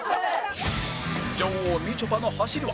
女王みちょぱの走りは？